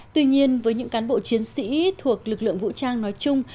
tuy nhiên với những cán bộ chiến sĩ thuộc lực lượng vũ trang nói chung